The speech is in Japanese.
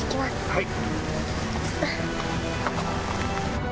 はい。